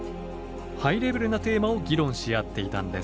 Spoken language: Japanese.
ハイレベルなテーマを議論し合っていたんです。